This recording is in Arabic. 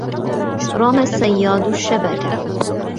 رَمَى الصَّيَّادُ الشَّبَكَةَ.